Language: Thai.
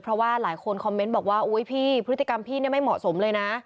เพราะว่าหลายคนคอมเมนต์บอกว่าอุ๊ยพี่พฤติกรรมพี่ไม่เหมาะสมเลยนะ